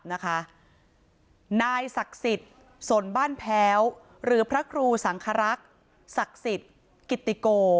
นะคะนายศักดิ์ศิษย์ส่วนบ้านแผลวรือพระครูศักดิ์คารักษ์ศักดิ์ศิษย์กิตติโก